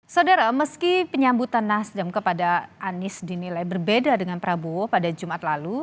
saudara meski penyambutan nasdem kepada anies dinilai berbeda dengan prabowo pada jumat lalu